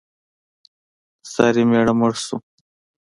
د سارې مېړه مړ شو.